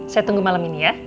saya tunggu malam ini ya